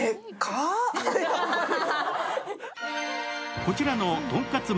こちらのとんかつ丸